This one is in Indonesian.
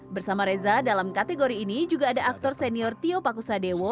bersama reza dalam kategori ini juga ada aktor senior tio pakusadewo